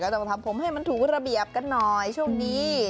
ก็จำเปล่าทำผมให้มันถูกให้ระเบียบกันหน่อยช่วงนี้